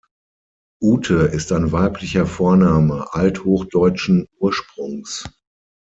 Ute ist ein weiblicher Vorname althochdeutschen Ursprungs.